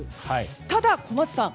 ただ、小松さん。